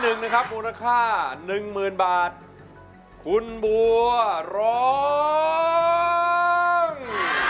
และเพลงที่๑นะครับมูลค่า๑หมื่นบาทคุณบัวร้อง